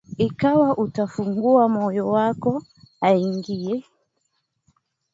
Ikawa utafungua moyo wako aingie.